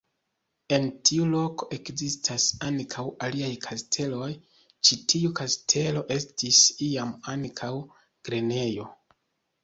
En tiu loko ekzistas ankaŭ aliaj kasteloj, ĉi tiu kastelo estis iam ankaŭ grenejo.